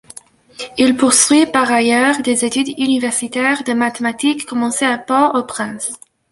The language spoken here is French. Il poursuit par ailleurs des études universitaires de mathématiques commencé à Port-au-Prince.